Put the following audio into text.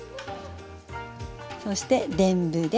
そしてでんぶです。